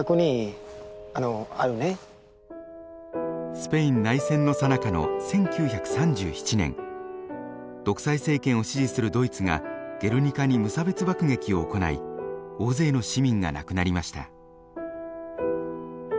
スペイン内戦のさなかの１９３７年独裁政権を支持するドイツがゲルニカに無差別爆撃を行い大勢の市民が亡くなりました。